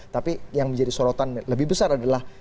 tapi yang menjadi sorotan lebih besar adalah